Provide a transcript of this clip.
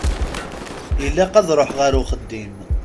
Ilaq ad ṛuḥeɣ ar uxeddim.